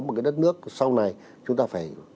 một cái đất nước sau này chúng ta phải